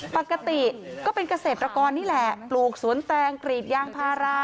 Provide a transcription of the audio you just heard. ปกติก็เป็นเกษตรกรนี่แหละปลูกสวนแตงกรีดยางพารา